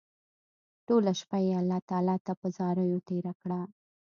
ټوله شپه يې الله تعالی ته په زاريو تېره کړه